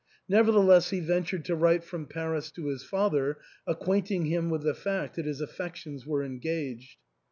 Nevertheless he ventured to write from Paris to his father, acquainting him with the fact that his affections were engaged.